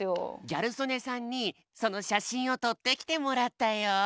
ギャル曽根さんにそのしゃしんをとってきてもらったよ。